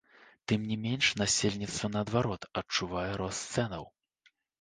Тым не менш, насельніцтва, наадварот, адчувае рост цэнаў.